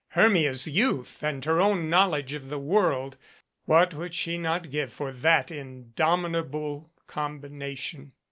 Hermia's youth and her own knowledge of the world what would she not give for that indomitable combina tion